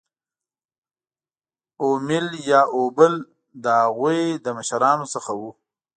اومیل یا اوبل د هغوی له مشرانو څخه وو.